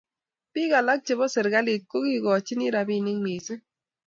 biik alak chebo serikalit ko kikochini robinik mising'